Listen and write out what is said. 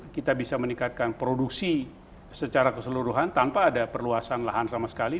kita bisa meningkatkan produksi secara keseluruhan tanpa ada perluasan lahan sama sekali